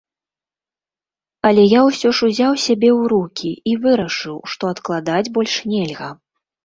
Але я ўсё ж узяў сябе ў рукі і вырашыў, што адкладаць больш нельга.